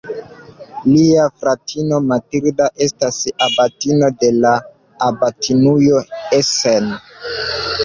Lia fratino Matilda estis abatino de la abatinujo Essen.